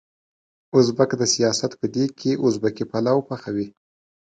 ازبک د سياست په دېګ کې ازبکي پلو پخوي.